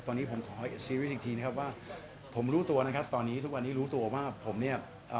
ตอนนี้ผมขอชีวิตอีกทีนะครับว่าผมรู้ตัวนะครับตอนนี้ทุกวันนี้รู้ตัวว่าผมเนี่ยเอ่อ